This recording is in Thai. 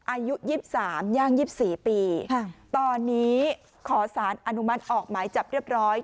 อายุ๒๓ย่าง๒๔ปีตอนนี้ขอสารอนุมัติออกหมายจับเรียบร้อย